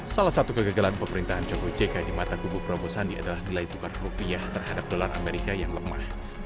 salah satu kegagalan pemerintahan jokowi jk di mata kubu prabowo sandi adalah nilai tukar rupiah terhadap dolar amerika yang lemah